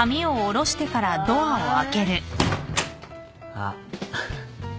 あっ。